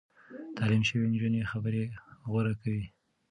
تعليم شوې نجونې خبرې غوره کوي.